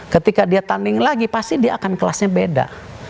ketika dia tanding lagi pasti dia akan kelasnya beda